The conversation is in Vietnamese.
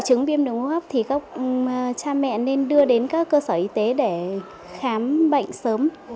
trẻ bị sốt thì cha mẹ nên đưa đến các cơ sở y tế để khám bệnh sớm